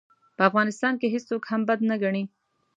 په افغانستان کې هېڅوک هم بد نه ګڼي.